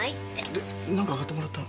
で何か買ってもらったの？